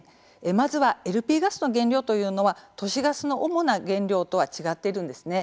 まずはＬＰガスの原料というのは都市ガスの主な原料とは違っているんですね。